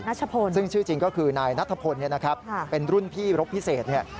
นัทธพลซึ่งชื่อจริงก็คือนายนัทธพลเป็นรุ่นพี่รบพิเศษ